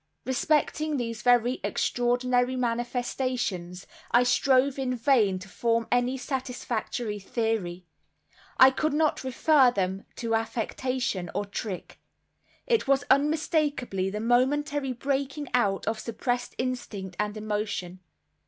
Respecting these very extraordinary manifestations I strove in vain to form any satisfactory theory—I could not refer them to affectation or trick. It was unmistakably the momentary breaking out of suppressed instinct and emotion.